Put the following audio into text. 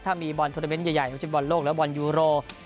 ถ้ามีบอลโทรเตอร์เมนต์ใหญ่มันจะเป็นบอลโลกและบอลยูโร